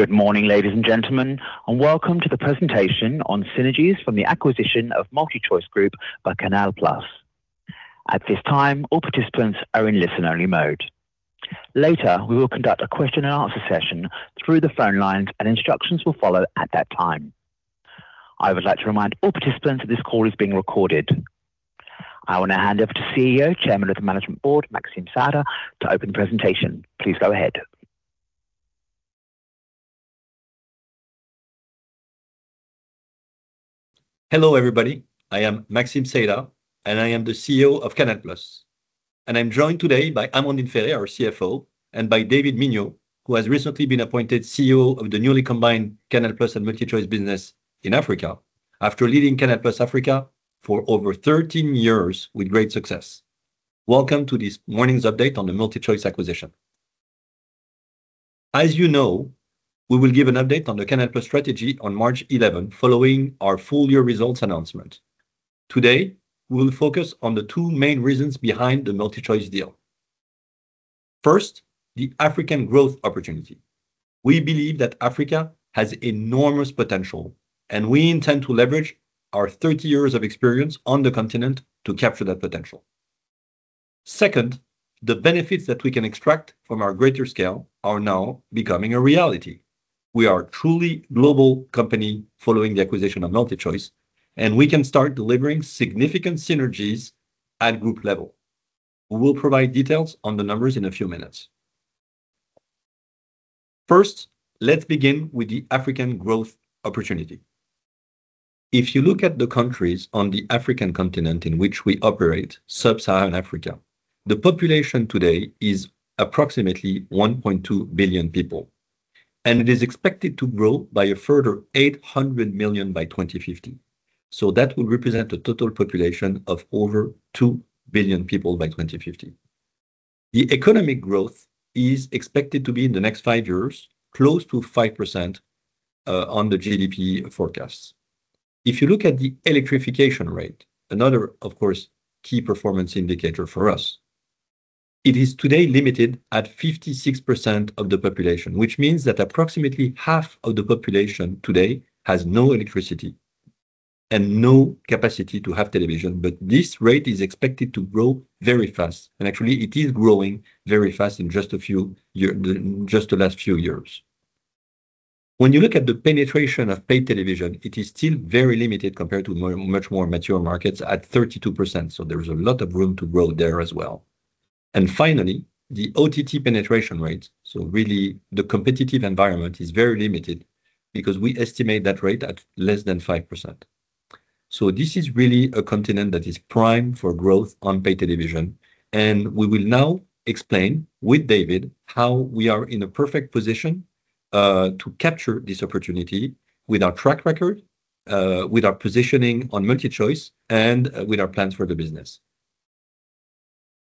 Good morning, ladies and gentlemen, and welcome to the presentation on synergies from the acquisition of MultiChoice Group by CANAL+. At this time, all participants are in listen-only mode. Later, we will conduct a question-and-answer session through the phone lines, and instructions will follow at that time. I would like to remind all participants that this call is being recorded. I want to hand over to CEO, Chairman of the Management Board, Maxime Saada, to open the presentation. Please go ahead. Hello, everybody. I am Maxime Saada, and I am the CEO of CANAL+. I'm joined today by Amandine Ferré, our CFO, and by David Mignot, who has recently been appointed CEO of the newly combined CANAL+ and MultiChoice business in Africa after leading CANAL+ Africa for over 13 years with great success. Welcome to this morning's update on the MultiChoice acquisition. As you know, we will give an update on the CANAL+ strategy on March 11, following our full-year results announcement. Today, we will focus on the two main reasons behind the MultiChoice deal. First, the African growth opportunity. We believe that Africa has enormous potential, and we intend to leverage our 30 years of experience on the continent to capture that potential. Second, the benefits that we can extract from our greater scale are now becoming a reality. We are a truly global company following the acquisition of MultiChoice, and we can start delivering significant synergies at group level. We will provide details on the numbers in a few minutes. First, let's begin with the African growth opportunity. If you look at the countries on the African continent in which we operate, Sub-Saharan Africa, the population today is approximately 1.2 billion people, and it is expected to grow by a further 800 million by 2050. So that would represent a total population of over 2 billion people by 2050. The economic growth is expected to be, in the next five years, close to 5% on the GDP forecasts. If you look at the electrification rate, another, of course, key performance indicator for us, it is today limited at 56% of the population, which means that approximately half of the population today has no electricity and no capacity to have television. But this rate is expected to grow very fast, and actually, it is growing very fast in just the last few years. When you look at the penetration of paid television, it is still very limited compared to much more mature markets at 32%. So there is a lot of room to grow there as well. And finally, the OTT penetration rate, so really, the competitive environment is very limited because we estimate that rate at less than 5%. This is really a continent that is prime for growth on paid television, and we will now explain with David how we are in a perfect position to capture this opportunity with our track record, with our positioning on MultiChoice, and with our plans for the business.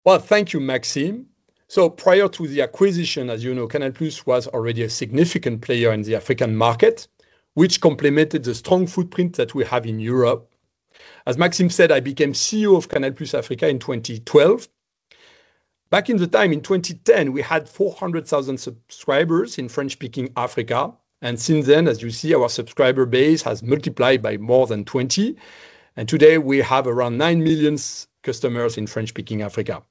Well, thank you, Maxime. So prior to the acquisition, as you know, CANAL+ was already a significant player in the African market, which complemented the strong footprint that we have in Europe. As Maxime said, I became CEO of CANAL+ Africa in 2012. Back in the time, in 2010, we had 400,000 subscribers in French-speaking Africa. And since then, as you see, our subscriber base has multiplied by more than 20. And today, we have around 9 million customers in French-speaking Africa,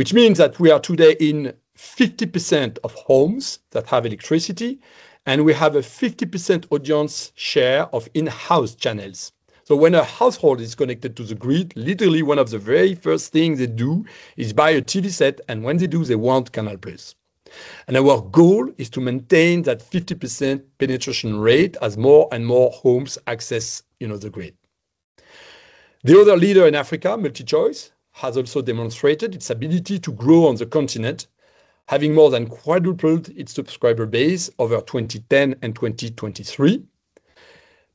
which means that we are today in 50% of homes that have electricity, and we have a 50% audience share of in-house channels. So when a household is connected to the grid, literally, one of the very first things they do is buy a TV set, and when they do, they want CANAL+. Our goal is to maintain that 50% penetration rate as more and more homes access the grid. The other leader in Africa, MultiChoice, has also demonstrated its ability to grow on the continent, having more than quadrupled its subscriber base over 2010 and 2023.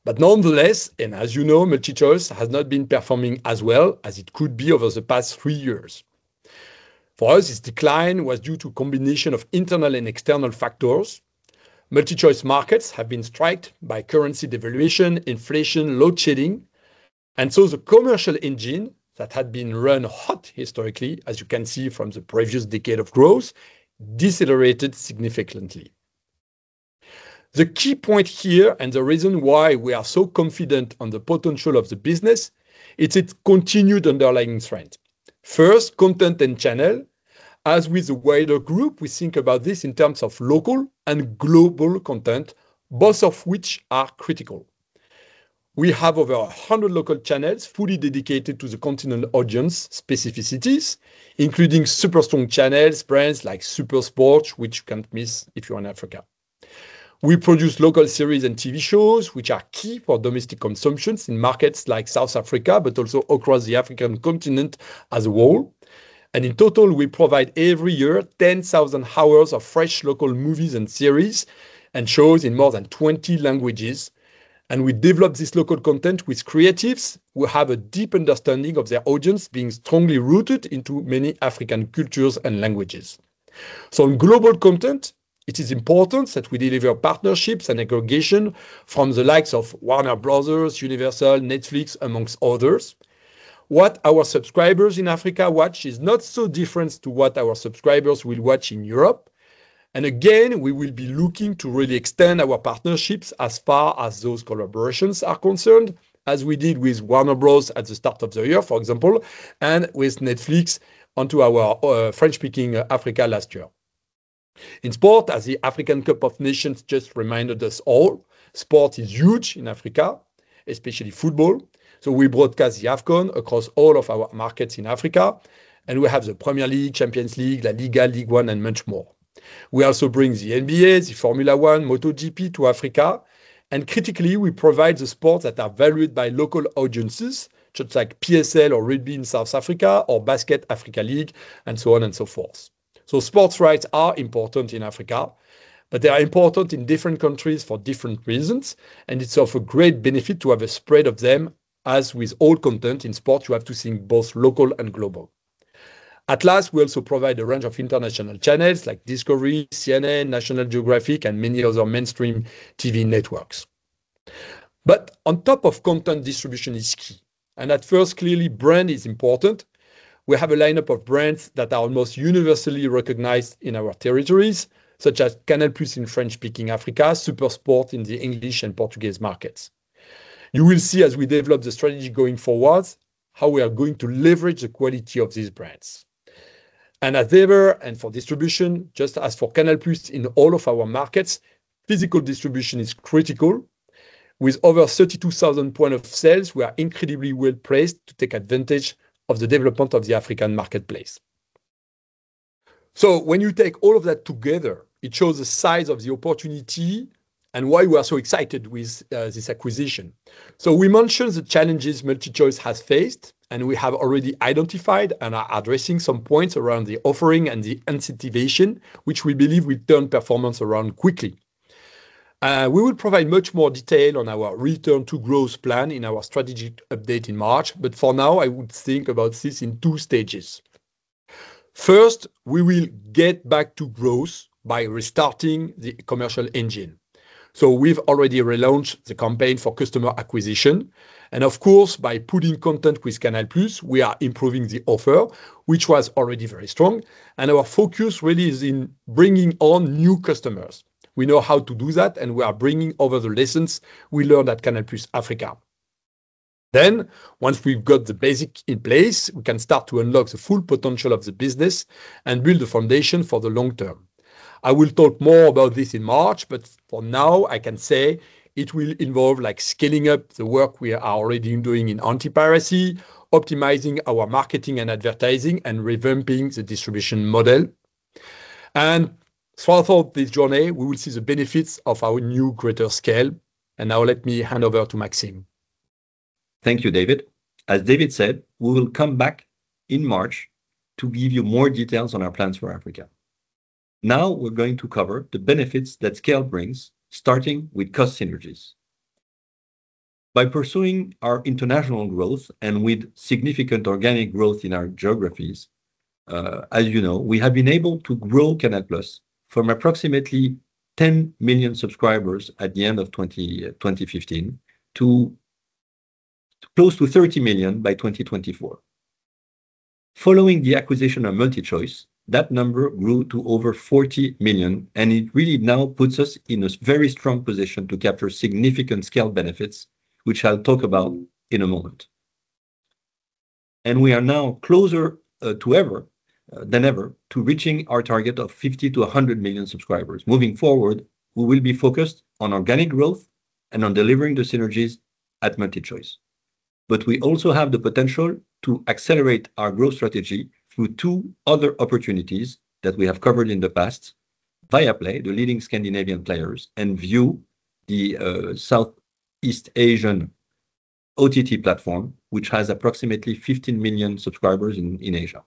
But nonetheless, and as you know, MultiChoice has not been performing as well as it could be over the past three years. For us, its decline was due to a combination of internal and external factors. MultiChoice markets have been struck by currency devaluation, inflation, load shedding, and so the commercial engine that had been run hot historically, as you can see from the previous decade of growth, decelerated significantly. The key point here and the reason why we are so confident on the potential of the business is its continued underlying strength. First, content and channel. As with the wider group, we think about this in terms of local and global content, both of which are critical. We have over 100 local channels fully dedicated to the continental audience specificities, including super strong channels, brands like SuperSport, which you can't miss if you're in Africa. We produce local series and TV shows, which are key for domestic consumption in markets like South Africa, but also across the African continent as a whole. In total, we provide every year 10,000 hours of fresh local movies and series and shows in more than 20 languages. We develop this local content with creatives who have a deep understanding of their audience being strongly rooted into many African cultures and languages. In global content, it is important that we deliver partnerships and aggregation from the likes of Warner Bros., Universal, Netflix, amongst others. What our subscribers in Africa watch is not so different from what our subscribers will watch in Europe. And again, we will be looking to really extend our partnerships as far as those collaborations are concerned, as we did with Warner Bros. at the start of the year, for example, and with Netflix onto our French-speaking Africa last year. In sport, as the African Cup of Nations just reminded us all, sport is huge in Africa, especially football. So we broadcast the AFCON across all of our markets in Africa, and we have the Premier League, Champions League, La Liga, Ligue 1, and much more. We also bring the NBA, the Formula 1, MotoGP to Africa. And critically, we provide the sports that are valued by local audiences, such as PSL or rugby in South Africa, or Basketball Africa League, and so on and so forth. So sports rights are important in Africa, but they are important in different countries for different reasons, and it's of a great benefit to have a spread of them, as with all content in sport, you have to think both local and global. At least, we also provide a range of international channels like Discovery, CNN, National Geographic, and many other mainstream TV networks. But on top of content distribution, it's key. And at first, clearly, brand is important. We have a lineup of brands that are almost universally recognized in our territories, such as CANAL+ in French-speaking Africa, SuperSport in the English and Portuguese markets. You will see, as we develop the strategy going forward, how we are going to leverage the quality of these brands. And as ever, and for distribution, just as for CANAL+ in all of our markets, physical distribution is critical. With over 32,000 points of sale, we are incredibly well placed to take advantage of the development of the African marketplace. When you take all of that together, it shows the size of the opportunity and why we are so excited with this acquisition. We mentioned the challenges MultiChoice has faced, and we have already identified and are addressing some points around the offering and the incentivization, which we believe will turn performance around quickly. We will provide much more detail on our return to growth plan in our strategy update in March, but for now, I would think about this in two stages. First, we will get back to growth by restarting the commercial engine. We've already relaunched the campaign for customer acquisition. Of course, by putting content with CANAL+, we are improving the offer, which was already very strong. Our focus really is in bringing on new customers. We know how to do that, and we are bringing over the lessons we learned at CANAL+ Africa. Then, once we've got the basics in place, we can start to unlock the full potential of the business and build the foundation for the long term. I will talk more about this in March, but for now, I can say it will involve scaling up the work we are already doing in antipiracy, optimizing our marketing and advertising, and revamping the distribution model. Throughout this journey, we will see the benefits of our new greater scale. Now, let me hand over to Maxime. Thank you, David. As David said, we will come back in March to give you more details on our plans for Africa. Now, we're going to cover the benefits that scale brings, starting with cost synergies. By pursuing our international growth and with significant organic growth in our geographies, as you know, we have been able to grow CANAL+ from approximately 10 million subscribers at the end of 2015 to close to 30 million by 2024. Following the acquisition of MultiChoice, that number grew to over 40 million, and it really now puts us in a very strong position to capture significant scale benefits, which I'll talk about in a moment. And we are now closer than ever to reaching our target of 50 million-100 million subscribers. Moving forward, we will be focused on organic growth and on delivering the synergies at MultiChoice. But we also have the potential to accelerate our growth strategy through two other opportunities that we have covered in the past: Viaplay, the leading Scandinavian player, and Viu, the Southeast Asian OTT platform, which has approximately 15 million subscribers in Asia.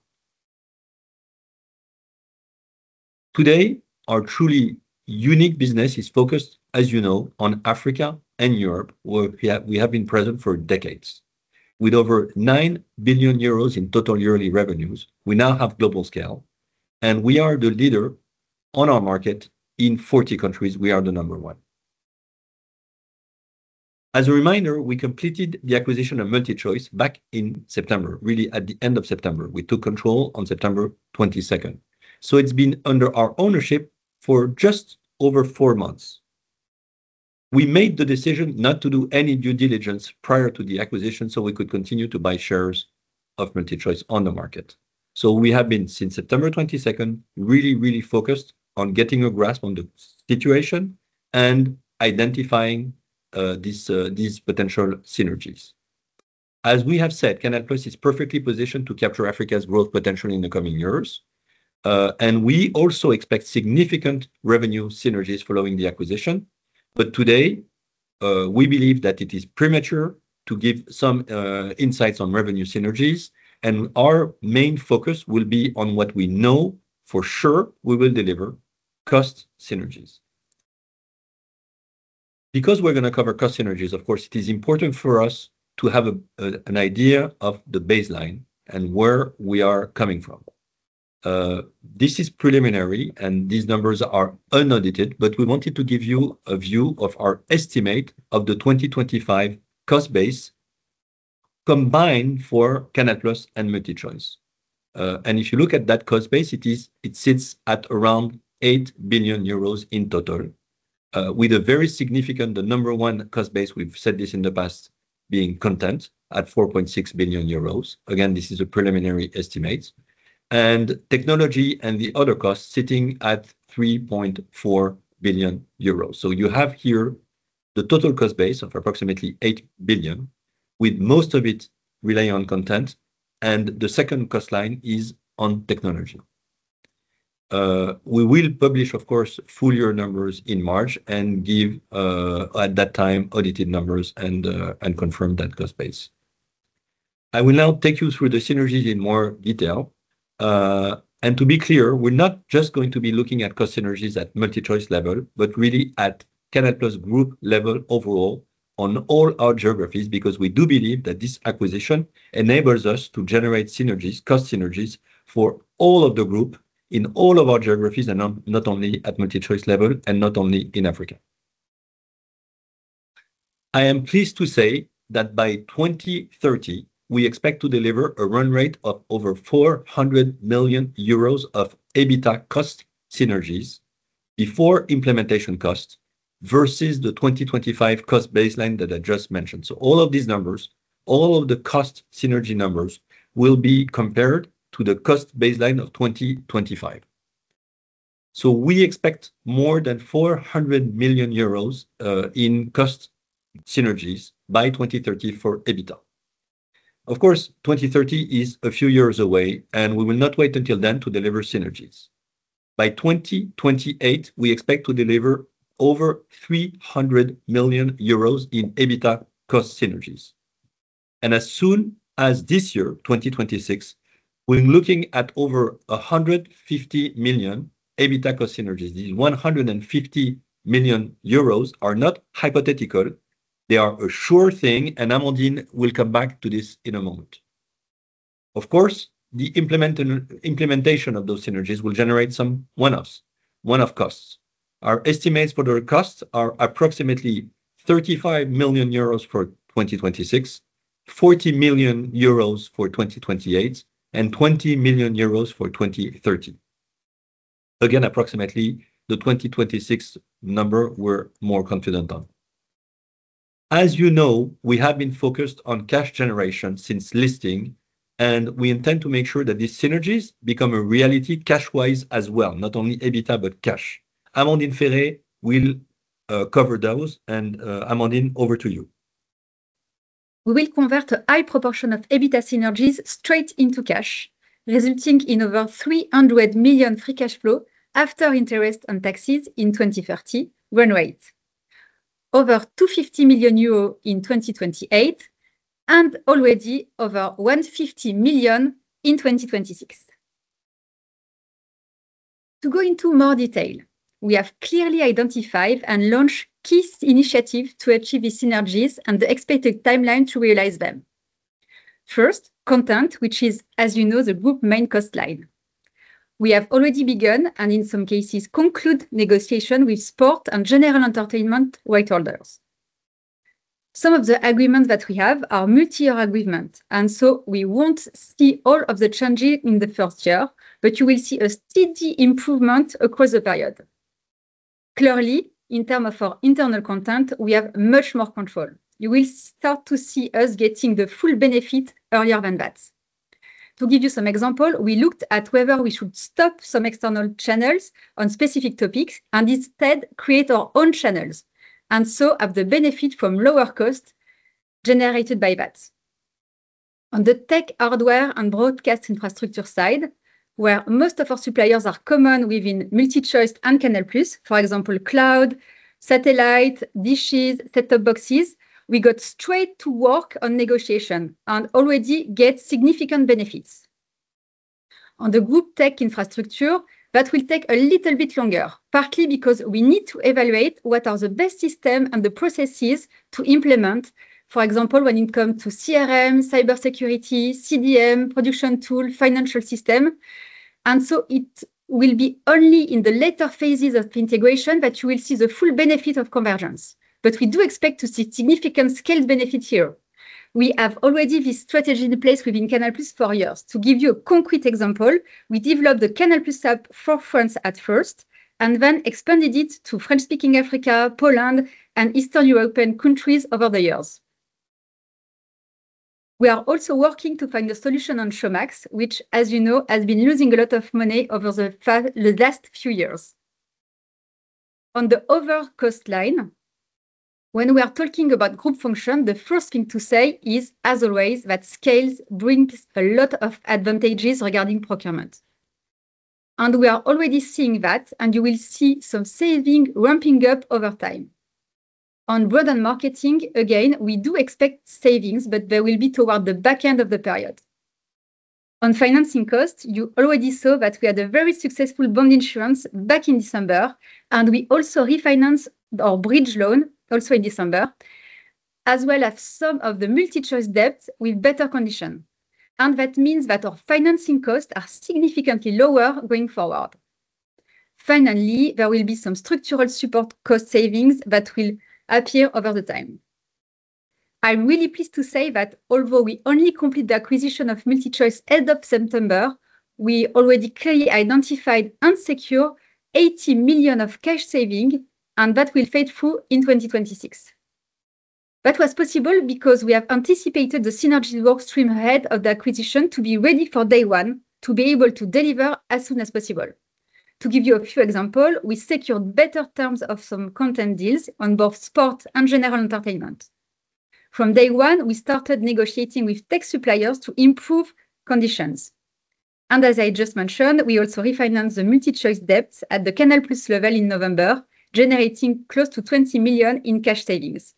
Today, our truly unique business is focused, as you know, on Africa and Europe, where we have been present for decades. With over 9 billion euros in total yearly revenues, we now have global scale, and we are the leader on our market in 40 countries. We are the number one. As a reminder, we completed the acquisition of MultiChoice back in September, really at the end of September. We took control on September 22nd. So it's been under our ownership for just over four months. We made the decision not to do any due diligence prior to the acquisition so we could continue to buy shares of MultiChoice on the market. So we have been, since September 22nd, really, really focused on getting a grasp on the situation and identifying these potential synergies. As we have said, CANAL+ is perfectly positioned to capture Africa's growth potential in the coming years, and we also expect significant revenue synergies following the acquisition. But today, we believe that it is premature to give some insights on revenue synergies, and our main focus will be on what we know for sure we will deliver: cost synergies. Because we're going to cover cost synergies, of course, it is important for us to have an idea of the baseline and where we are coming from. This is preliminary, and these numbers are unedited, but we wanted to give you a view of our estimate of the 2025 cost base combined for CANAL+ and MultiChoice. If you look at that cost base, it sits at around 8 billion euros in total, with a very significant number one cost base, we've said this in the past, being content at 4.6 billion euros. Again, this is a preliminary estimate. Technology and the other costs sitting at 3.4 billion euros. You have here the total cost base of approximately 8 billion, with most of it relying on content, and the second cost line is on technology. We will publish, of course, full year numbers in March and give, at that time, audited numbers and confirm that cost base. I will now take you through the synergies in more detail. To be clear, we're not just going to be looking at cost synergies at MultiChoice level, but really at CANAL+ Group level overall on all our geographies, because we do believe that this acquisition enables us to generate synergies, cost synergies, for all of the group in all of our geographies, and not only at MultiChoice level and not only in Africa. I am pleased to say that by 2030, we expect to deliver a run rate of over 400 million euros of EBITDA cost synergies before implementation costs versus the 2025 cost baseline that I just mentioned. All of these numbers, all of the cost synergy numbers, will be compared to the cost baseline of 2025. We expect more than 400 million euros in cost synergies by 2030 for EBITDA. Of course, 2030 is a few years away, and we will not wait until then to deliver synergies. By 2028, we expect to deliver over 300 million euros in EBITDA cost synergies. And as soon as this year, 2026, we're looking at over 150 million EBITDA cost synergies. These 150 million euros are not hypothetical. They are a sure thing, and Amandine will come back to this in a moment. Of course, the implementation of those synergies will generate some one-off costs. Our estimates for the costs are approximately 35 million euros for 2026, 40 million euros for 2028, and 20 million euros for 2030. Again, approximately the 2026 number we're more confident on. As you know, we have been focused on cash generation since listing, and we intend to make sure that these synergies become a reality cash-wise as well, not only EBITDA, but cash. Amandine Ferré will cover those, and Amandine, over to you. We will convert a high proportion of EBITDA synergies straight into cash, resulting in over 300 million free cash flow after interest and taxes in 2030 run rate, over 250 million euros in 2028, and already over 150 million in 2026. To go into more detail, we have clearly identified and launched key initiatives to achieve these synergies and the expected timeline to realize them. First, content, which is, as you know, the Group's main cost line. We have already begun and, in some cases, concluded negotiations with sport and general entertainment rights holders. Some of the agreements that we have are multi-year agreements, and so we won't see all of the changes in the first year, but you will see a steady improvement across the period. Clearly, in terms of our internal content, we have much more control. You will start to see us getting the full benefit earlier than that. To give you some example, we looked at whether we should stop some external channels on specific topics and instead create our own channels, and so have the benefit from lower cost generated by that. On the tech hardware and broadcast infrastructure side, where most of our suppliers are common within MultiChoice and CANAL+, for example, cloud, satellite, dishes, set-top boxes, we got straight to work on negotiation and already get significant benefits. On the group tech infrastructure, that will take a little bit longer, partly because we need to evaluate what are the best systems and the processes to implement, for example, when it comes to CRM, cybersecurity, CDM, production tool, financial system. And so it will be only in the later phases of integration that you will see the full benefit of convergence. But we do expect to see significant scaled benefits here. We have already this strategy in place within CANAL+ for years. To give you a concrete example, we developed the CANAL+ app for France at first and then expanded it to French-speaking Africa, Poland, and Eastern European countries over the years. We are also working to find a solution on Showmax, which, as you know, has been losing a lot of money over the last few years. On the OpEx line, when we are talking about group function, the first thing to say is, as always, that scales bring a lot of advantages regarding procurement. And we are already seeing that, and you will see some savings ramping up over time. On broader marketing, again, we do expect savings, but they will be toward the back end of the period. On financing costs, you already saw that we had a very successful bond issuance back in December, and we also refinanced our bridge loan also in December, as well as some of the MultiChoice debts with better conditions. That means that our financing costs are significantly lower going forward. Finally, there will be some structural support cost savings that will appear over time. I'm really pleased to say that although we only completed the acquisition of MultiChoice as of September, we already clearly identified and secured 80 million of cash savings, and that will flow through in 2026. That was possible because we have anticipated the synergy work stream ahead of the acquisition to be ready for day one, to be able to deliver as soon as possible. To give you a few examples, we secured better terms of some content deals on both sport and general entertainment. From day one, we started negotiating with tech suppliers to improve conditions. As I just mentioned, we also refinanced the MultiChoice debts at the CANAL+ level in November, generating close to 20 million in cash savings.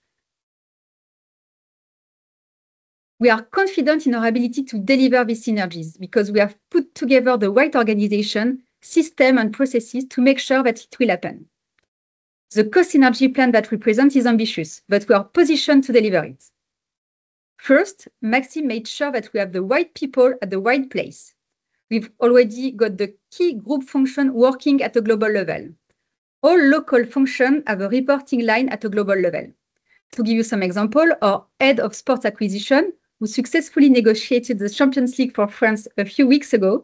We are confident in our ability to deliver these synergies because we have put together the right organization, systems, and processes to make sure that it will happen. The cost synergy plan that we present is ambitious, but we are positioned to deliver it. First, Maxime made sure that we have the right people at the right place. We've already got the key group function working at the global level. All local functions have a reporting line at the global level. To give you some examples, our head of sports acquisition, who successfully negotiated the Champions League for France a few weeks ago,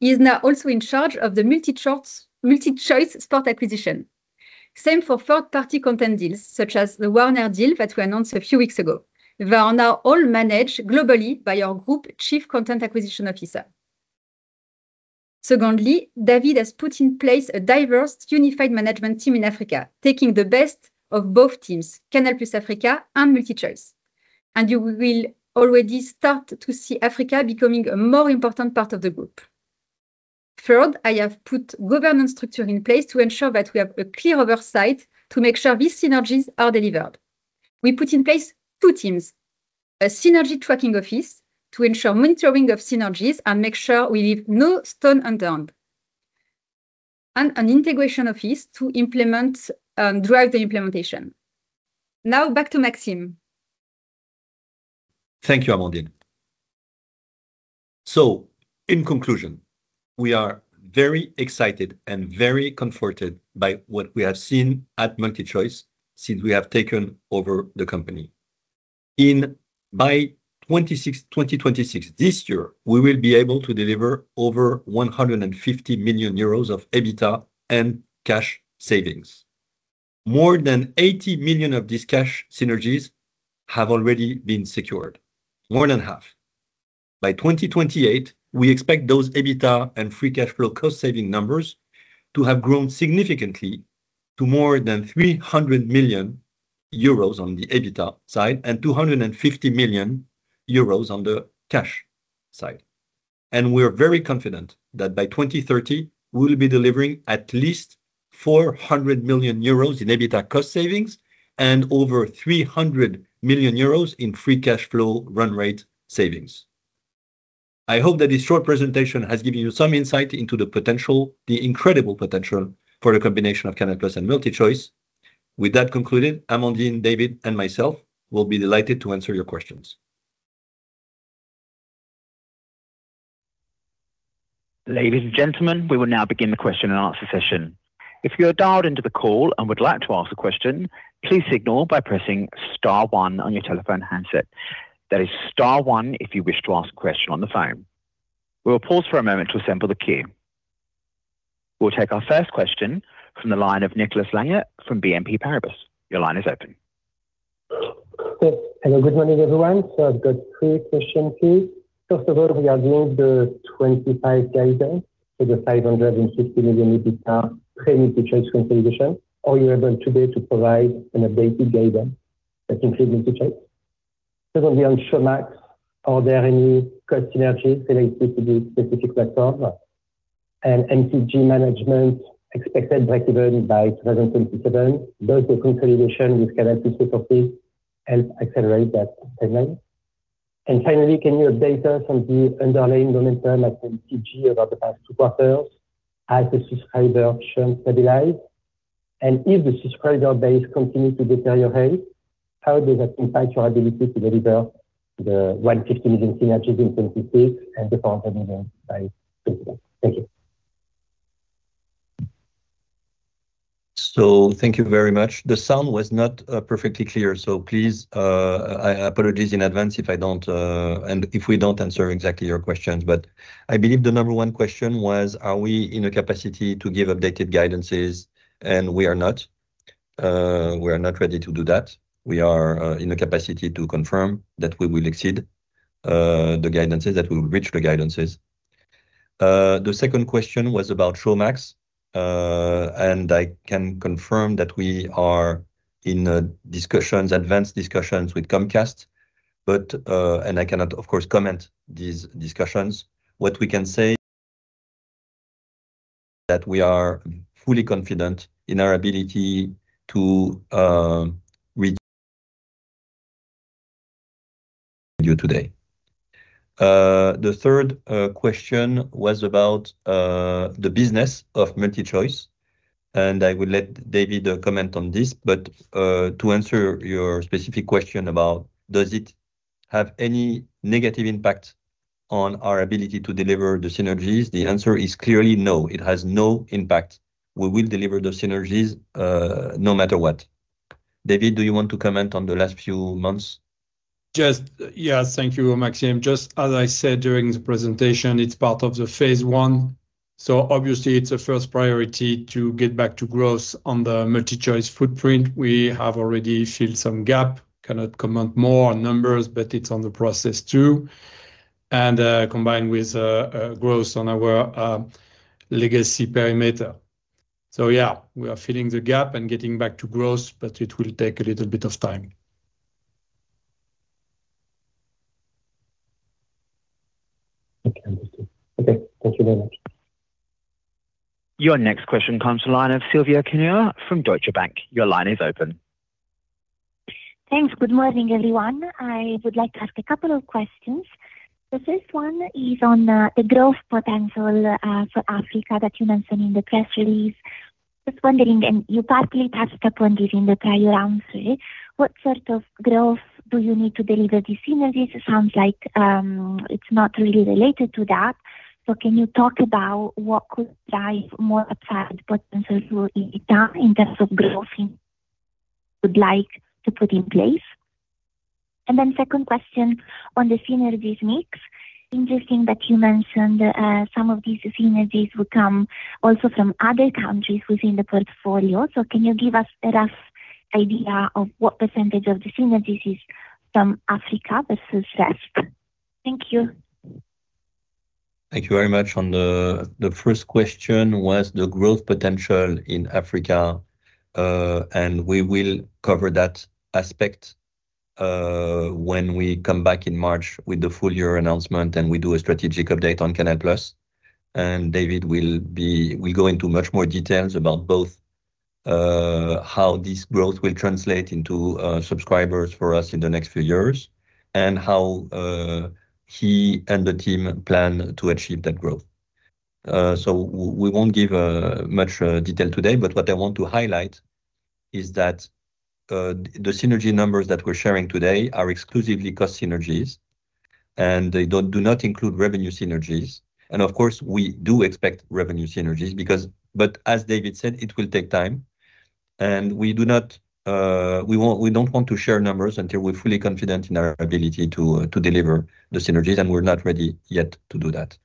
is now also in charge of the MultiChoice sports acquisition. Same for third-party content deals, such as the Warner deal that we announced a few weeks ago. They are now all managed globally by our Group's Chief Content Acquisition Officer. Secondly, David has put in place a diverse unified management team in Africa, taking the best of both teams, CANAL+ Africa and MultiChoice. And you will already start to see Africa becoming a more important part of the group. Third, I have put governance structure in place to ensure that we have a clear oversight to make sure these synergies are delivered. We put in place two teams: a synergy tracking office to ensure monitoring of synergies and make sure we leave no stone unturned, and an integration office to implement and drive the implementation. Now, back to Maxime. Thank you, Amandine. In conclusion, we are very excited and very comforted by what we have seen at MultiChoice since we have taken over the company. In 2026, this year, we will be able to deliver over 150 million euros of EBITDA and cash savings. More than 80 million of these cash synergies have already been secured, more than half. By 2028, we expect those EBITDA and free cash flow cost saving numbers to have grown significantly to more than EUR 300 million on the EBITDA side and 250 million euros on the cash side. We're very confident that by 2030, we'll be delivering at least 400 million euros in EBITDA cost savings and over 300 million euros in free cash flow run rate savings. I hope that this short presentation has given you some insight into the potential, the incredible potential for the combination of CANAL+ and MultiChoice. With that concluded, Amandine, David, and myself will be delighted to answer your questions. Ladies and gentlemen, we will now begin the question and answer session. If you are dialed into the call and would like to ask a question, please signal by pressing star one on your telephone handset. That is star one if you wish to ask a question on the phone. We will pause for a moment to assemble the queue. We'll take our first question from the line of Nicolas Langlet from BNP Paribas. Your line is open. Hello, good morning, everyone. So I've got three questions, please. First of all, we are doing the 2025 guidance for the 550 million EBITDA pre-MultiChoice consolidation. Are you able today to provide an updated guidance that includes MultiChoice? Secondly, on Showmax, are there any cost synergies related to the specific platform? And MCG management expected breakeven by 2027. Does the consolidation with CANAL+ help accelerate that timeline? And finally, can you update us on the underlying momentum at MCG over the past two quarters as the subscriber trend stabilized? And if the subscriber base continues to deteriorate, how does that impact your ability to deliver the 150 million synergies in 2026 and the 400 million by 2024? Thank you. So thank you very much. The sound was not perfectly clear, so please, I apologize in advance if I don't, and if we don't answer exactly your questions, but I believe the number one question was, are we in a capacity to give updated guidances? And we are not. We are not ready to do that. We are in a capacity to confirm that we will exceed the guidances that we will reach the guidances. The second question was about Showmax, and I can confirm that we are in advanced discussions with Comcast, but, and I cannot, of course, comment on these discussions. What we can say is that we are fully confident in our ability to reach you today. The third question was about the business of MultiChoice, and I will let David comment on this, but to answer your specific question about does it have any negative impact on our ability to deliver the synergies, the answer is clearly no. It has no impact. We will deliver the synergies no matter what. David, do you want to comment on the last few months? Yes, thank you, Maxime. Just as I said during the presentation, it's part of the phase one. So obviously, it's a first priority to get back to growth on the MultiChoice footprint. We have already filled some gap. Cannot comment more on numbers, but it's on the process too, and combined with growth on our legacy perimeter. So yeah, we are filling the gap and getting back to growth, but it will take a little bit of time. Okay, thank you. Okay, thank you very much. Your next question comes from the line of Silvia Cuneo from Deutsche Bank. Your line is open. Thanks. Good morning, everyone. I would like to ask a couple of questions. The first one is on the growth potential for Africa that you mentioned in the press release. Just wondering, and you partially touched upon this in the prior answer, what sort of growth do you need to deliver these synergies? It sounds like it's not really related to that. So can you talk about what could drive more upside potential in terms of growth you would like to put in place? And then second question on the synergies mix, interesting that you mentioned some of these synergies would come also from other countries within the portfolio. So can you give us a rough idea of what percentage of the synergies is from Africa versus rest? Thank you. Thank you very much. On the first question was the growth potential in Africa, and we will cover that aspect when we come back in March with the full year announcement and we do a strategic update on CANAL+. And David will go into much more details about both how this growth will translate into subscribers for us in the next few years and how he and the team plan to achieve that growth. So we won't give much detail today, but what I want to highlight is that the synergy numbers that we're sharing today are exclusively cost synergies, and they do not include revenue synergies. And of course, we do expect revenue synergies because, but as David said, it will take time. And we don't want to share numbers until we're fully confident in our ability to deliver the synergies, and we're not ready yet to do that.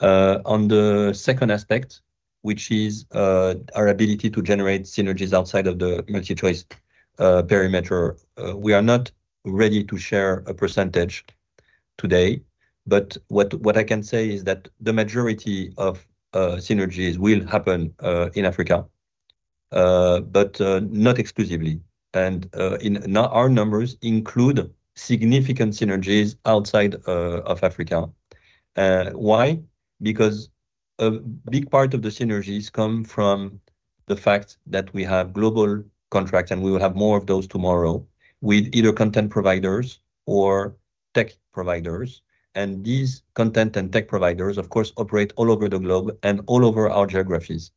On the second aspect, which is our ability to generate synergies outside of the MultiChoice perimeter, we are not ready to share a percentage today, but what I can say is that the majority of synergies will happen in Africa, but not exclusively. Our numbers include significant synergies outside of Africa. Why? Because a big part of the synergies come from the fact that we have global contracts, and we will have more of those tomorrow with either content providers or tech providers. These content and tech providers, of course, operate all over the globe and all over our geographies.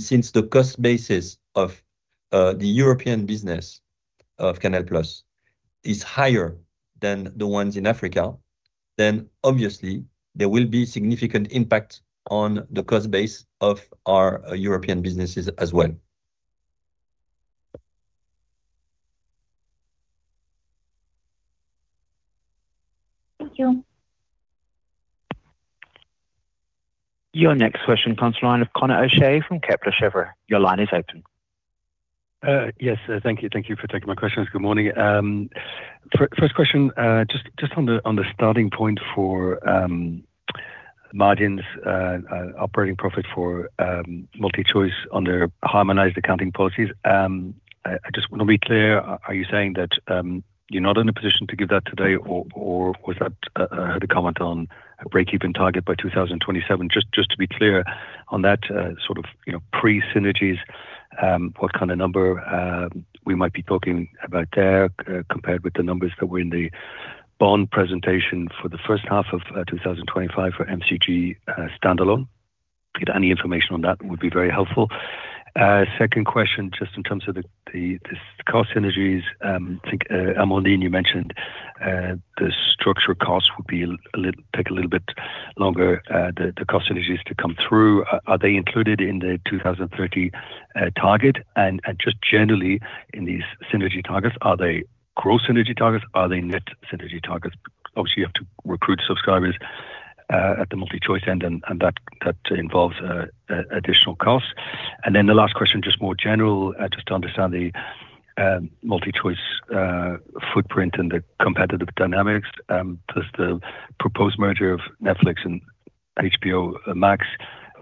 Since the cost basis of the European business of CANAL+ is higher than the ones in Africa, then obviously, there will be significant impact on the cost base of our European businesses as well. Thank you. Your next question, caller. I'm Conor O'Shea from Kepler Cheuvreux. Your line is open. Yes, thank you. Thank you for taking my questions. Good morning. First question, just on the starting point for margins' operating profit for MultiChoice under harmonized accounting policies, I just want to be clear, are you saying that you're not in a position to give that today, or was that the comment on a break-even target by 2027? Just to be clear on that sort of pre-synergies, what kind of number we might be talking about there compared with the numbers that were in the bond presentation for the first half of 2025 for MCG standalone? Any information on that would be very helpful. Second question, just in terms of the cost synergies, Amandine, you mentioned the structural costs would take a little bit longer, the cost synergies to come through. Are they included in the 2030 target? And just generally, in these synergy targets, are they gross synergy targets? Are they net synergy targets? Obviously, you have to recruit subscribers at the MultiChoice end, and that involves additional costs. And then the last question, just more general, just to understand the MultiChoice footprint and the competitive dynamics. Does the proposed merger of Netflix and HBO Max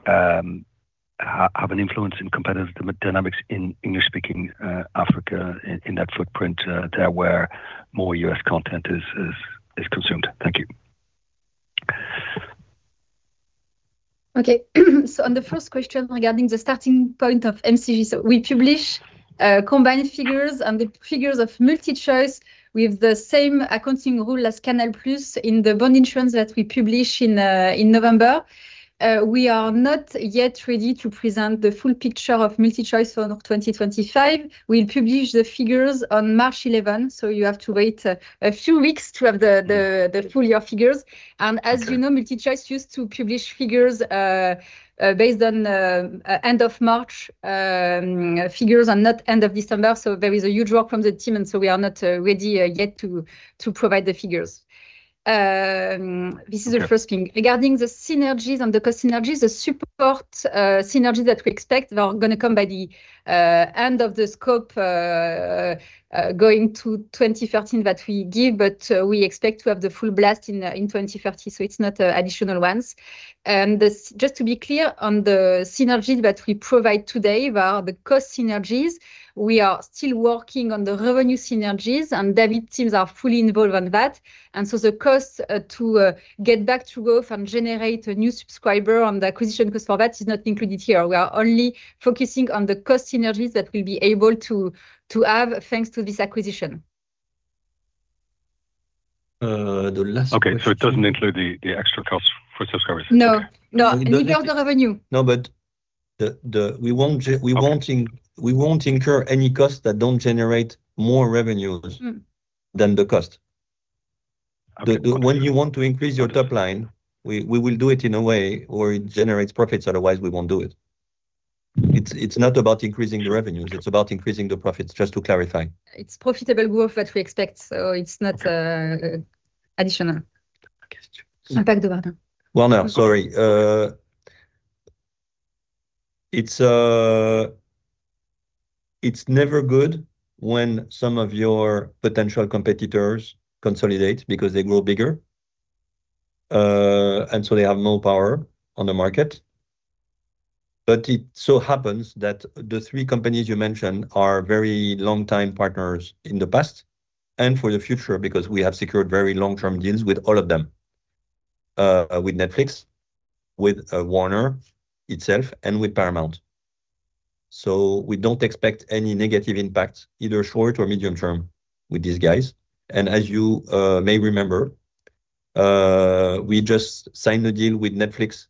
have an influence in competitive dynamics in English-speaking Africa in that footprint there where more U.S. content is consumed? Thank you. Okay. So on the first question regarding the starting point of MCG, we publish combined figures and the figures of MultiChoice with the same accounting rule as CANAL+ in the bond issuance that we publish in November. We are not yet ready to present the full picture of MultiChoice for 2025. We'll publish the figures on March 11th, so you have to wait a few weeks to have the full year figures. And as you know, MultiChoice used to publish figures based on end of March figures and not end of December. So there is a huge work from the team, and we are not ready yet to provide the figures. This is the first thing. Regarding the synergies and the cost synergies, the support synergies that we expect are going to come by the end of the scope going to 2013 that we give, but we expect to have the full blast in 2030, so it's not additional ones. Just to be clear on the synergies that we provide today, the cost synergies, we are still working on the revenue synergies, and David's teams are fully involved on that. So the cost to get back to growth and generate a new subscriber on the acquisition cost for that is not included here. We are only focusing on the cost synergies that we'll be able to have thanks to this acquisition. Okay, so it doesn't include the extra cost for subscribers. No, no. In terms of revenue. No, but we won't incur any costs that don't generate more revenues than the cost. When you want to increase your top line, we will do it in a way where it generates profits. Otherwise, we won't do it. It's not about increasing the revenues. It's about increasing the profits, just to clarify. It's profitable growth that we expect, so it's not additional impact over time. Well, no, sorry. It's never good when some of your potential competitors consolidate because they grow bigger, and so they have more power on the market. But it so happens that the three companies you mentioned are very long-time partners in the past and for the future because we have secured very long-term deals with all of them, with Netflix, with Warner itself, and with Paramount. So we don't expect any negative impact, either short or medium term, with these guys. And as you may remember, we just signed a deal with Netflix,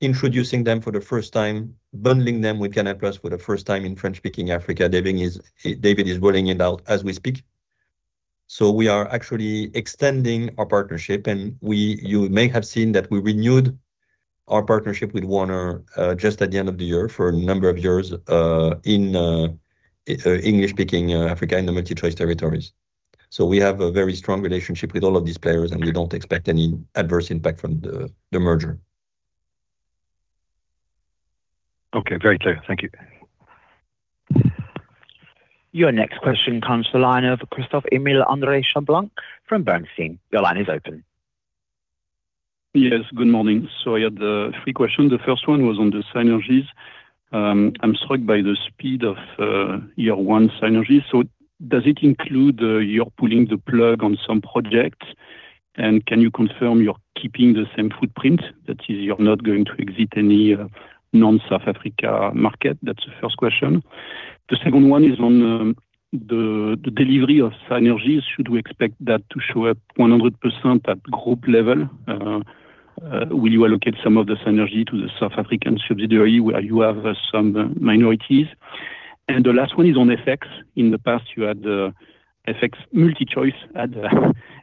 introducing them for the first time, bundling them with CANAL+ for the first time in French-speaking Africa. David is rolling it out as we speak. So we are actually extending our partnership, and you may have seen that we renewed our partnership with Warner just at the end of the year for a number of years in English-speaking Africa in the MultiChoice territories. So we have a very strong relationship with all of these players, and we don't expect any adverse impact from the merger. Okay, very clear. Thank you. Your next question from Christophe Cherblanc of Bernstein. Your line is open. Yes, good morning. So I had three questions. The first one was on the synergies. I'm struck by the speed of year one synergies. So does it include you're pulling the plug on some projects? And can you confirm you're keeping the same footprint? That is, you're not going to exit any non-South Africa market? That's the first question. The second one is on the delivery of synergies. Should we expect that to show up 100% at group level? Will you allocate some of the synergy to the South African subsidiary where you have some minorities? And the last one is on FX. In the past, you had FX MultiChoice had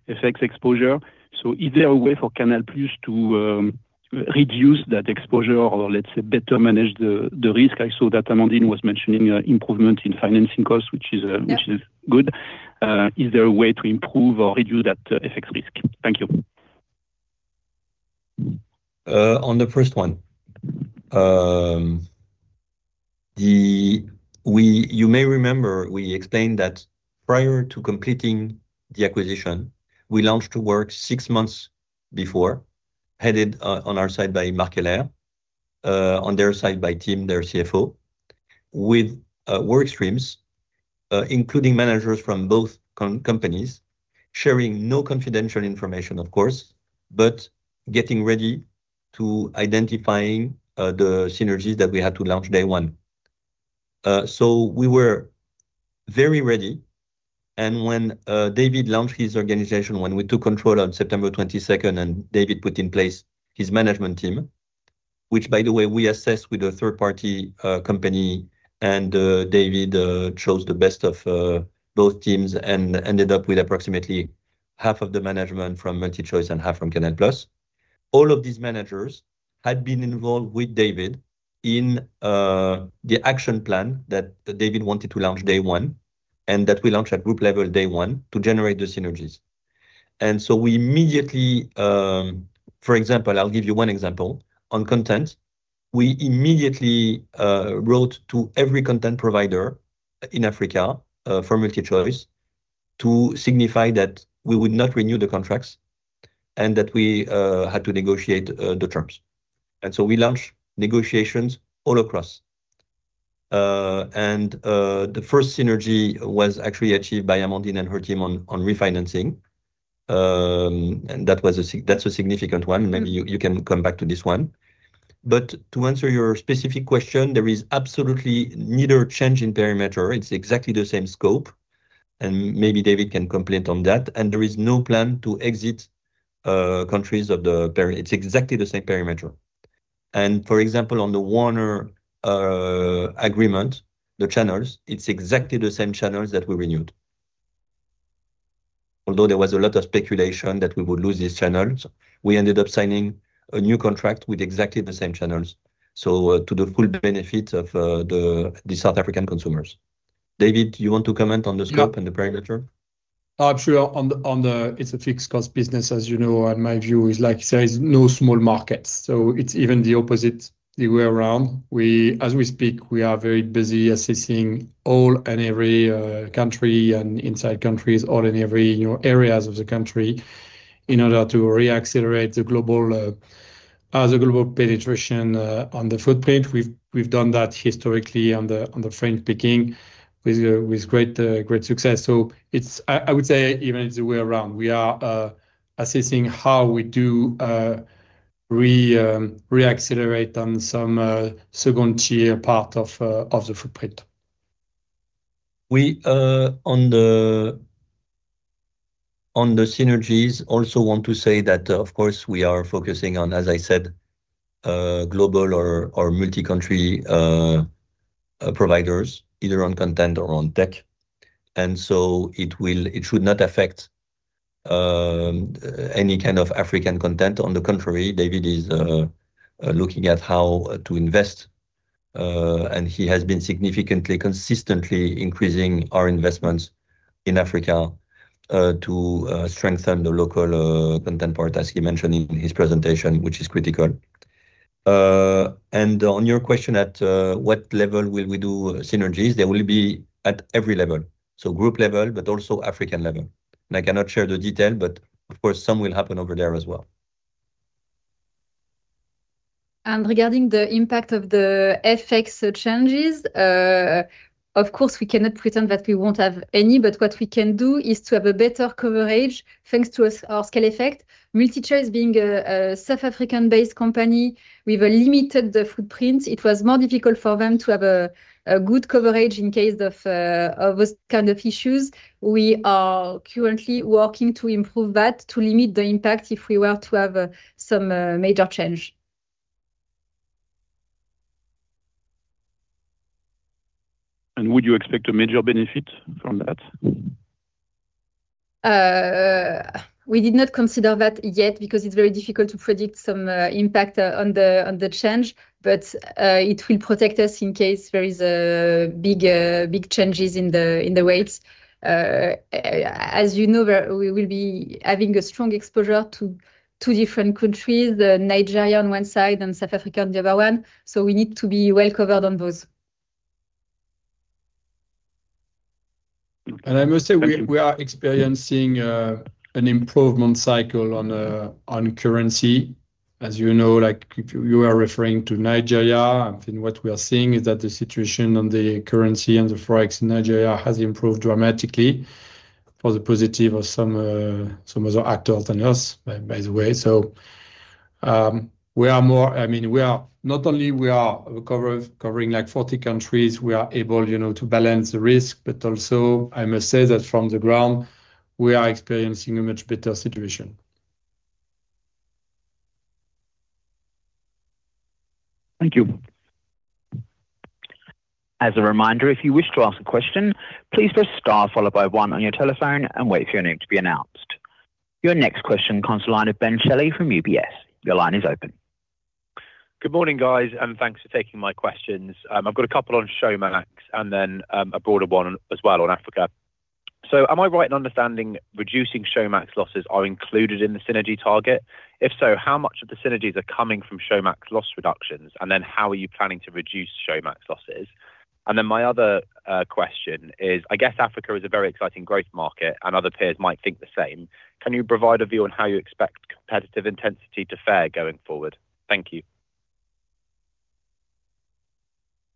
FX exposure. So is there a way for CANAL+ to reduce that exposure or, let's say, better manage the risk? I saw that Amandine was mentioning improvement in financing costs, which is good. Is there a way to improve or reduce that FX risk? Thank you. On the first one, you may remember we explained that prior to completing the acquisition, we launched to work six months before, headed on our side by Marc Heller, on their side by Tim Jacobs, their CFO, with work streams, including managers from both companies, sharing no confidential information, of course, but getting ready to identify the synergies that we had to launch day one. So we were very ready. And when David Mignot launched his organization, when we took control on September 22nd, and David Mignot put in place his management team, which, by the way, we assessed with a third-party company, and David Mignot chose the best of both teams and ended up with approximately half of the management from MultiChoice and half from CANAL+. All of these managers had been involved with David in the action plan that David wanted to launch day one and that we launched at group level day one to generate the synergies. And so we immediately, for example, I'll give you one example. On content, we immediately wrote to every content provider in Africa for MultiChoice to signify that we would not renew the contracts and that we had to negotiate the terms. And so we launched negotiations all across. And the first synergy was actually achieved by Amandine and her team on refinancing. And that's a significant one. Maybe you can come back to this one. But to answer your specific question, there is absolutely neither change in perimeter. It's exactly the same scope. And maybe David can complain on that. And there is no plan to exit countries of the perimeter. It's exactly the same perimeter. For example, on the Warner agreement, the channels, it's exactly the same channels that we renewed. Although there was a lot of speculation that we would lose these channels, we ended up signing a new contract with exactly the same channels. So to the full benefit of the South African consumers. David, you want to comment on the scope and the perimeter? No, absolutely. It's a fixed-cost business, as you know, and my view is like there is no small market. So it's even the opposite the way around. As we speak, we are very busy assessing all and every country and inside countries, all and every areas of the country in order to reaccelerate the global penetration on the footprint. We've done that historically on the French-speaking with great success. So I would say even it's the way around. We are assessing how we do reaccelerate on some second-tier part of the footprint. On the synergies, I also want to say that, of course, we are focusing on, as I said, global or multi-country providers, either on content or on tech. And so it should not affect any kind of African content. On the contrary, David is looking at how to invest. And he has been significantly, consistently increasing our investments in Africa to strengthen the local content part, as he mentioned in his presentation, which is critical. And on your question at what level will we do synergies, there will be at every level. So group level, but also African level. And I cannot share the detail, but of course, some will happen over there as well. And regarding the impact of the FX changes, of course, we cannot pretend that we won't have any, but what we can do is to have a better coverage thanks to our scale effect. MultiChoice, being a South African-based company with a limited footprint, it was more difficult for them to have a good coverage in case of those kind of issues. We are currently working to improve that to limit the impact if we were to have some major change. Would you expect a major benefit from that? We did not consider that yet because it's very difficult to predict some impact on the exchange, but it will protect us in case there are big changes in the weights. As you know, we will be having a strong exposure to two different countries, Nigeria on one side and South Africa on the other one. So we need to be well covered on those. I must say we are experiencing an improvement cycle on currency. As you know, you are referring to Nigeria. I think what we are seeing is that the situation on the currency and the Forex in Nigeria has improved dramatically for the positive of some other actors than us, by the way. So we are more, I mean, we are not only covering like 40 countries, we are able to balance the risk, but also, I must say that from the ground, we are experiencing a much better situation. Thank you. As a reminder, if you wish to ask a question, please press star followed by one on your telephone and wait for your name to be announced. Your next question from Ben Shelley from UBS. Your line is open. Good morning, guys, and thanks for taking my questions. I've got a couple on Showmax and then a broader one as well on Africa. So am I right in understanding reducing Showmax losses are included in the synergy target? If so, how much of the synergies are coming from Showmax loss reductions, and then how are you planning to reduce Showmax losses? And then my other question is, I guess Africa is a very exciting growth market, and other peers might think the same. Can you provide a view on how you expect competitive intensity to fare going forward? Thank you.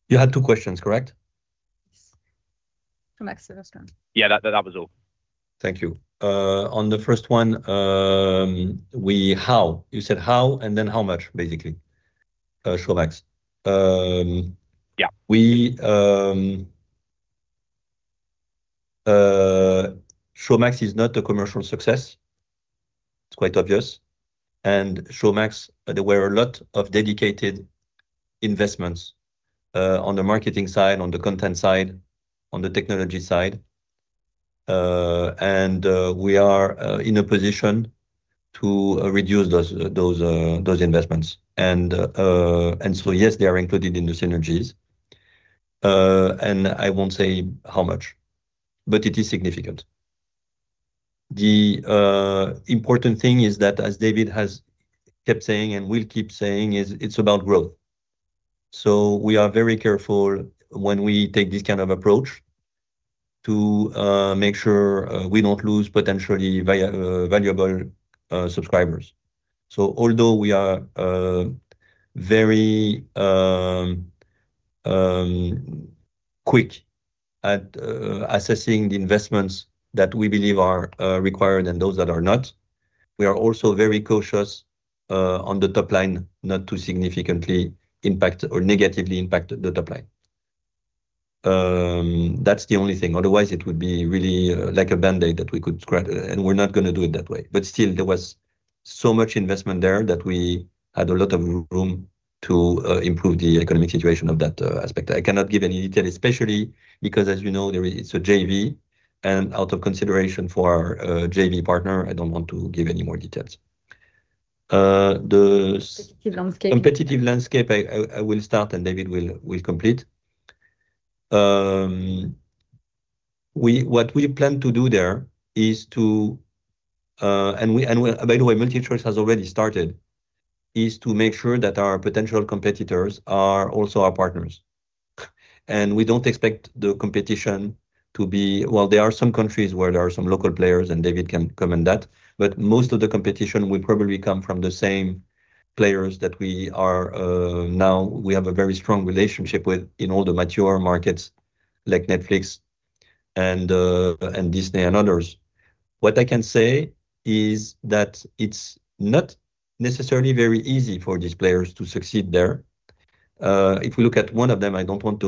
You had two questions, correct? Yes. Yeah, that was all. Thank you. On the first one, how? You said how and then how much, basically. Showmax. Showmax is not a commercial success. It's quite obvious. And Showmax, there were a lot of dedicated investments on the marketing side, on the content side, on the technology side. And we are in a position to reduce those investments. And so yes, they are included in the synergies. And I won't say how much, but it is significant. The important thing is that, as David has kept saying and will keep saying, it's about growth. So we are very careful when we take this kind of approach to make sure we don't lose potentially valuable subscribers. Although we are very quick at assessing the investments that we believe are required and those that are not, we are also very cautious on the top line not to significantly impact or negatively impact the top line. That's the only thing. Otherwise, it would be really like a Band-Aid that we could scratch, and we're not going to do it that way. Still, there was so much investment there that we had a lot of room to improve the economic situation of that aspect. I cannot give any detail, especially because, as you know, it's a JV. Out of consideration for our JV partner, I don't want to give any more details. Competitive landscape. Competitive landscape. I will start, and David will complete. What we plan to do there is to, and by the way, MultiChoice has already started, is to make sure that our potential competitors are also our partners. We don't expect the competition to be, well, there are some countries where there are some local players, and David can comment on that. But most of the competition will probably come from the same players that we are now, we have a very strong relationship with in all the mature markets like Netflix and Disney and others. What I can say is that it's not necessarily very easy for these players to succeed there. If we look at one of them, I don't want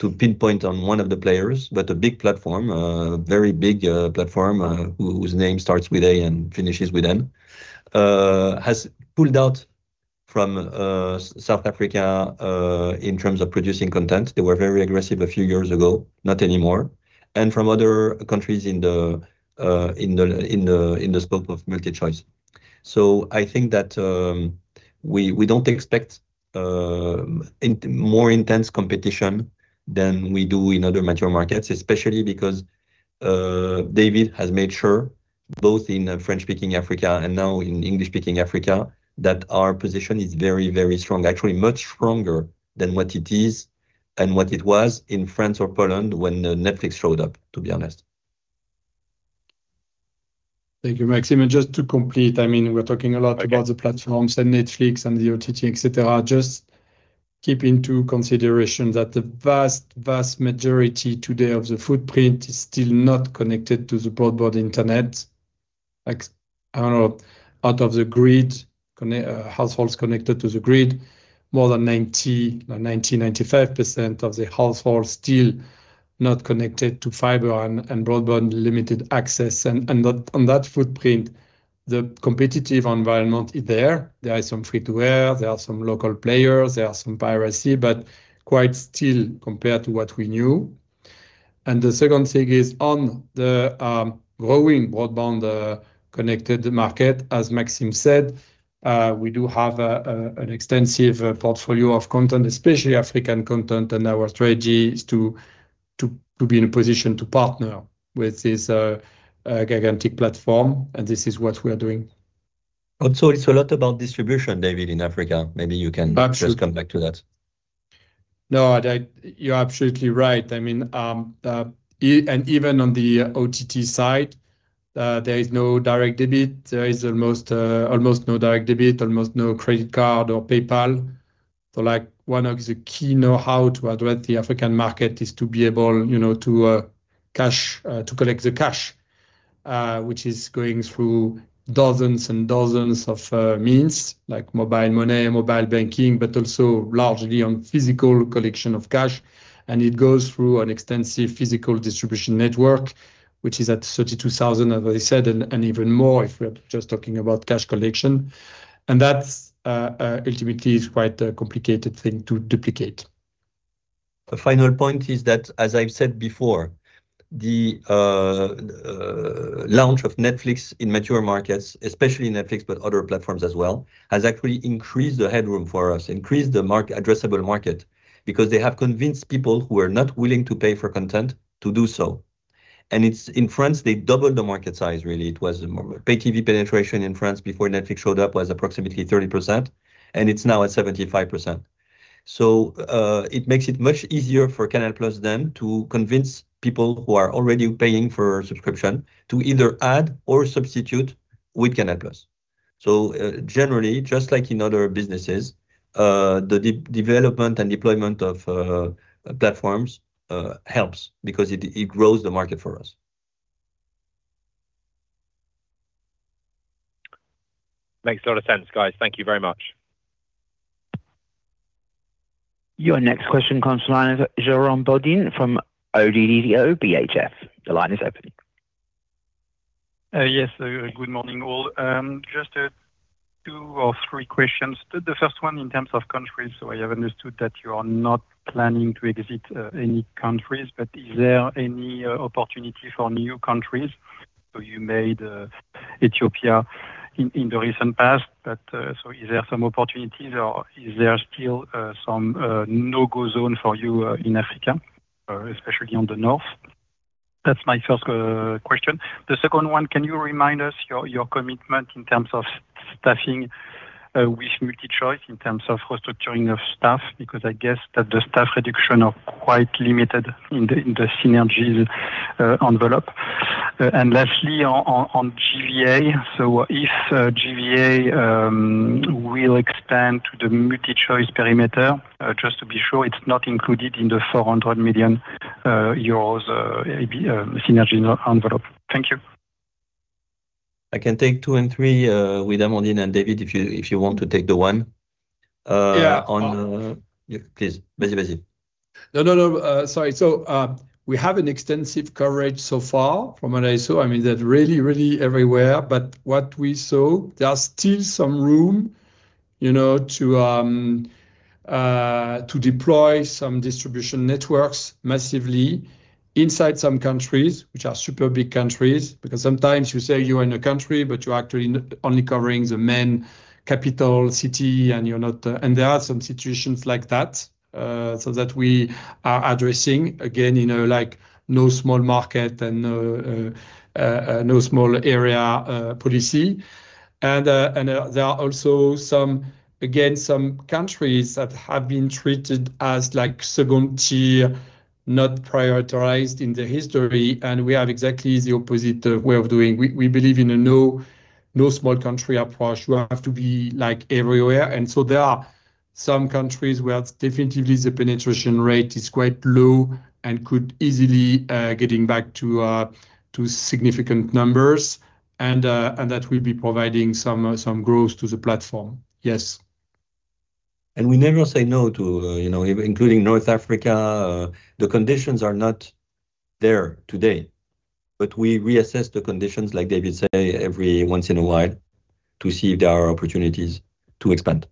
to pinpoint on one of the players, but a big platform, a very big platform whose name starts with A and finishes with N, has pulled out from South Africa in terms of producing content. They were very aggressive a few years ago, not anymore, and from other countries in the scope of MultiChoice. So I think that we don't expect more intense competition than we do in other mature markets, especially because David has made sure both in French-speaking Africa and now in English-speaking Africa that our position is very, very strong, actually much stronger than what it is and what it was in France or Poland when Netflix showed up, to be honest. Thank you, Maxime. Just to complete, I mean, we're talking a lot about the platforms and Netflix and the OTT, etc. Just keep in consideration that the vast, vast majority today of the footprint is still not connected to the broadband internet. Out of the grid, households connected to the grid, more than 90%, 95% of the households still not connected to fiber and broadband limited access. On that footprint, the competitive environment is there. There are some free-to-air, there are some local players, there are some piracy, but quite still compared to what we knew. And the second thing is on the growing broadband connected market, as Maxime said, we do have an extensive portfolio of content, especially African content, and our strategy is to be in a position to partner with this gigantic platform, and this is what we are doing. Also, it's a lot about distribution, David, in Africa. Maybe you can just come back to that. No, you're absolutely right. I mean, and even on the OTT side, there is no direct debit. There is almost no direct debit, almost no credit card or PayPal. So one of the key know-how to address the African market is to be able to collect the cash, which is going through dozens and dozens of means like mobile money, mobile banking, but also largely on physical collection of cash. And it goes through an extensive physical distribution network, which is at 32,000, as I said, and even more if we're just talking about cash collection. And that ultimately is quite a complicated thing to duplicate. The final point is that, as I've said before, the launch of Netflix in mature markets, especially Netflix, but other platforms as well, has actually increased the headroom for us, increased the addressable market because they have convinced people who are not willing to pay for content to do so. And in France, they doubled the market size, really. It was pay TV penetration in France before Netflix showed up was approximately 30%, and it's now at 75%. So it makes it much easier for CANAL+ then to convince people who are already paying for a subscription to either add or substitute with CANAL+. So generally, just like in other businesses, the development and deployment of platforms helps because it grows the market for us. Makes a lot of sense, guys. Thank you very much. Your next question comes from Jérôme Bodin from ODDO BHF. The line is open. Yes, good morning all. Just two or three questions. The first one in terms of countries, so I have understood that you are not planning to exit any countries, but is there any opportunity for new countries? So you made Ethiopia in the recent past, but so is there some opportunities or is there still some no-go zone for you in Africa, especially on the north? That's my first question. The second one, can you remind us your commitment in terms of staffing with MultiChoice in terms of restructuring of staff? Because I guess that the staff reductions are quite limited in the synergies envelope. And lastly, on GVA, so if GVA will expand to the MultiChoice perimeter, just to be sure, it's not included in the 400 million euros synergy envelope. Thank you. I can take two and three with Amandine and David if you want to take the one. Please. No, no, no. Sorry. So we have an extensive coverage so far. That's really, really everywhere. But what we saw, there's still some room to deploy some distribution networks massively inside some countries, which are super big countries, because sometimes you say you're in a country, but you're actually only covering the main capital city, and there are some situations like that. So that we are addressing, again, in a no small market and no small area policy. And there are also, again, some countries that have been treated as second tier, not prioritized in the history, and we have exactly the opposite way of doing. We believe in a no small country approach. You have to be everywhere. And so there are some countries where definitely the penetration rate is quite low and could easily get back to significant numbers. That will be providing some growth to the platform. Yes. We never say no to, including North Africa. The conditions are not there today. We reassess the conditions, like David said, every once in a while to see if there are opportunities to expand.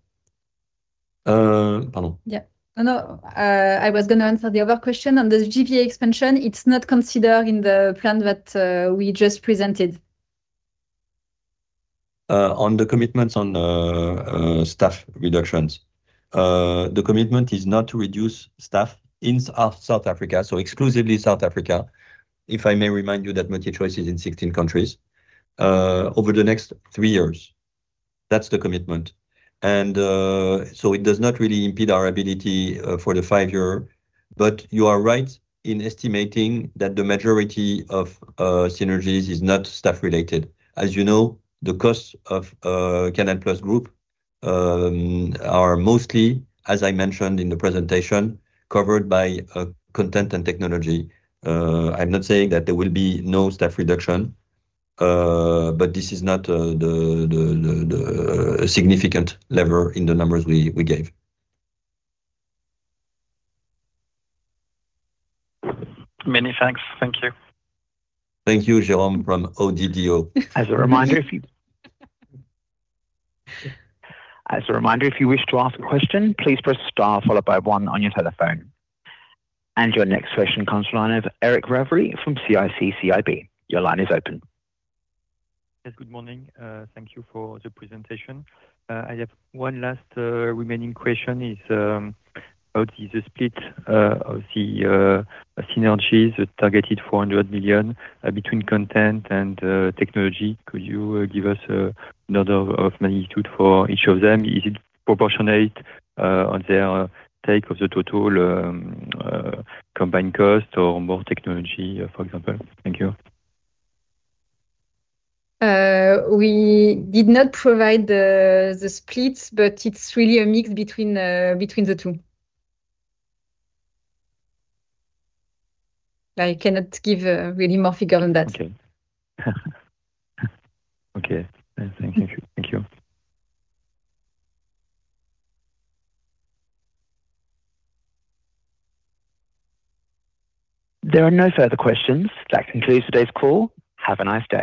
Yeah. No, I was going to answer the other question on the GVA expansion. It's not considered in the plan that we just presented. On the commitments on staff reductions, the commitment is not to reduce staff in South Africa, so exclusively South Africa, if I may remind you that MultiChoice is in 16 countries, over the next 3 years. That's the commitment. And so it does not really impede our ability for the 5-year. But you are right in estimating that the majority of synergies is not staff-related. As you know, the costs of CANAL+ Group are mostly, as I mentioned in the presentation, covered by content and technology. I'm not saying that there will be no staff reduction, but this is not a significant lever in the numbers we gave. Many thanks. Thank you. Thank you, Jérôme from ODDO. As a reminder, if you wish to ask a question, please press star followed by one on your telephone. Your next question from Eric Ravary from CIC CIB. Your line is open. Good morning. Thank you for the presentation. I have one last remaining question about the split of the synergies, targeted 400 million between content and technology. Could you give us another magnitude for each of them? Is it proportionate on their take of the total combined cost or more technology, for example? Thank you. We did not provide the splits, but it's really a mix between the two. I cannot give really more figures than that. Okay. Okay. Thank you. Thank you. There are no further questions. That concludes today's call. Have a nice day.